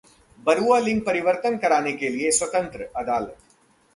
बरुआ लिंग परिवर्तन कराने के लिए स्वतंत्र: अदालत